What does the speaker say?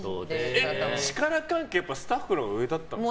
力関係、スタッフのほうが上だったんですか？